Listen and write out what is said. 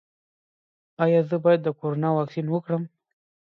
ایا زه باید د کرونا واکسین وکړم؟